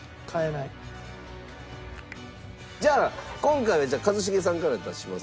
じゃあ今回は一茂さんから出しますか？